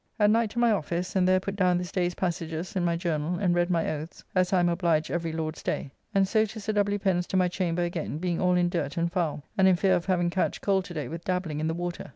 At night to my office, and there put down this day's passages in my journall, and read my oaths, as I am obliged every Lord's day. And so to Sir W. Pen's to my chamber again, being all in dirt and foul, and in fear of having catched cold today with dabbling in the water.